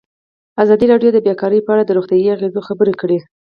ازادي راډیو د بیکاري په اړه د روغتیایي اغېزو خبره کړې.